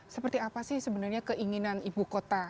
seperti apa sih sebenarnya keinginan ibu kota